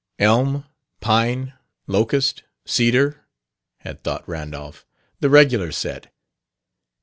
"Elm, Pine, Locust, Cedar," had thought Randolph; "the regular set."